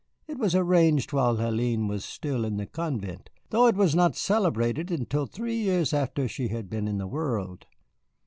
"It was arranged while Hélène was still in the convent, though it was not celebrated until three years after she had been in the world.